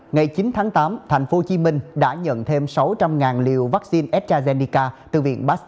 ngày chín tháng tám thành phố hồ chí minh đã nhận thêm sáu trăm linh liều vaccine astrazeneca từ viện pasteur